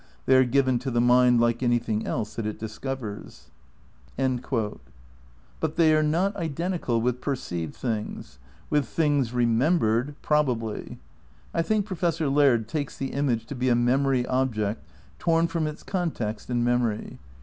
They are given to the mind, like anything else that it discovers.' But they are not identical with perceived things. With things remembered — probably. I think Profes sor Laird takes the image to be a memory object torn from its context in memory.